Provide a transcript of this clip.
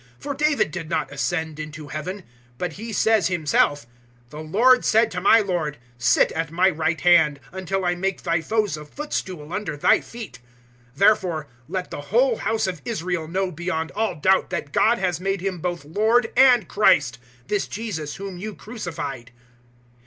002:034 For David did not ascend into Heaven, but he says himself, "`The Lord said to my Lord, Sit at My right hand 002:035 until I make thy foes a footstool under thy feet.' 002:036 "Therefore let the whole House of Israel know beyond all doubt that God has made Him both LORD and CHRIST this Jesus whom you crucified."